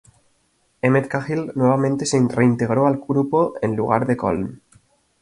Emmet Cahill nuevamente se reintegró al grupo en lugar de Colm.